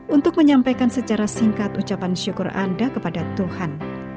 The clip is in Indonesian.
untuk menyampaikan secara singkat ucapan syukur anda kepada tuhan